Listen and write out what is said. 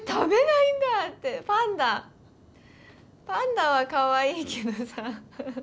パンダはかわいいけどさ。